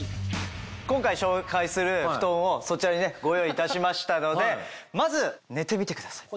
今回紹介する布団をそちらにご用意いたしましたのでまず寝てみてください。